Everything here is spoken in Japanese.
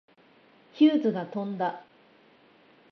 ヒューズが飛んだ。